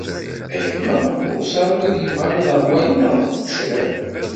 A gma bbuṣan wid yebɣan ad aɣ-walin ɣef tgecrar.